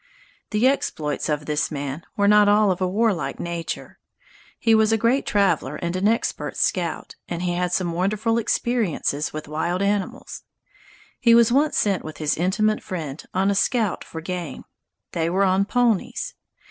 The exploits of this man were not all of a warlike nature. He was a great traveler and an expert scout, and he had some wonderful experiences with wild animals. He was once sent, with his intimate friend, on a scout for game. They were on ponies.